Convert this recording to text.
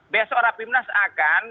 besok rapimnas akan